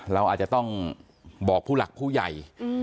เราอาจจะต้องบอกผู้หลักผู้ใหญ่